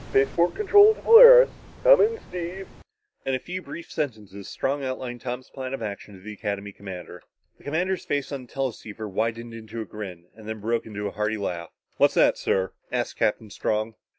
"Spaceport control to Polaris. Come in, Steve." In a few brief sentences, Strong outlined Tom's plan of action to the Academy commander. The commander's face on the teleceiver widened into a grin, then broke out in a hearty laugh. "What's that, sir?" asked Captain Strong.